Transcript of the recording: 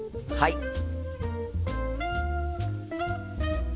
はい！